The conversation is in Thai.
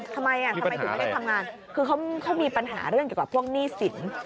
ทำไมทำไมถึงไม่ได้ทำงานคือเขามีปัญหาเรื่องเกี่ยวกับพวกหนี้สิน